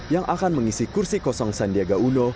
yang akan mengisi kursi kosong sandiaga uno